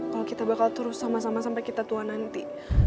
kalau kita bakal terus sama sama sampai kita tua nanti